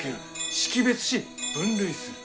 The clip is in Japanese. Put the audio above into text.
識別し分類する。